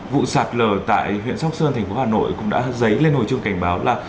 vụ sạt lở tại huyện sóc sơn tp hà nội cũng đã giấy lên hồi chương cảnh báo là